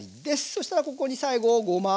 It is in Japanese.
そしたらここに最後ごま。